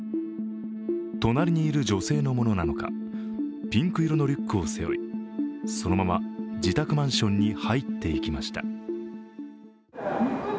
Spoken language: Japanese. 隣にいる女性のものなのか、ピンク色のリュックを背負い、そのまま自宅マンションに入っていきました。